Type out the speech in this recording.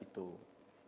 itu satu soal guru